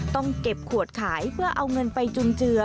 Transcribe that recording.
ต้องเก็บขวดขายเพื่อเอาเงินไปจุนเจือ